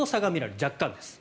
若干です。